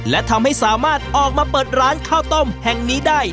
และทำให้สามารถออกมาเปิดร้านข้าวต้มแห่งนี้ได้